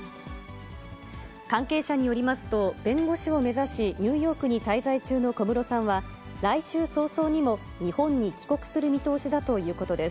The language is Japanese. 関係者によりますと、弁護士を目指し、ニューヨークに滞在中の小室さんは、来週早々にも日本に帰国する見通しだということです。